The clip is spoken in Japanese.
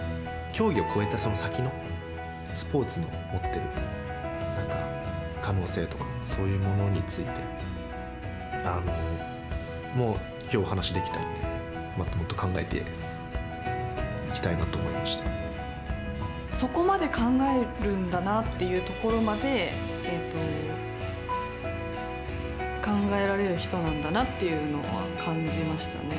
競技を超えた、その先のスポーツの持ってる可能性とかそういうものについてもうきょうお話しできたんでもっと考えていきたいなとそこまで考えるんだなというところまで考えられる人なんだなというのは感じましたね。